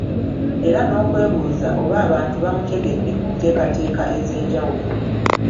Era n’okwebuuza oba abantu bamutegedde ku nteekateeka ez’enjawulo.